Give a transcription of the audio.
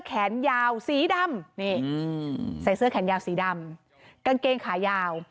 แขนยาวสีดำนี่ใส่เสื้อแขนยาวสีดำกางเกงขายาว